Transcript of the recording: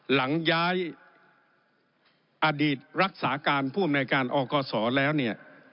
หลังย้ายอดีตรักษาการผู้อำนวยการอกศแล้วเนี่ย